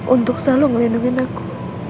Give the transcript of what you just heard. untuk selalu ngelindungin aku